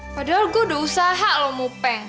padahal gue udah usaha lo mupeng